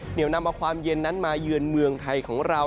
เหนียวนำเอาความเย็นนั้นมาเยือนเมืองไทยของเรา